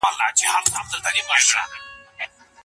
پوهه د انسان تر ټولو غوره ملګری دی.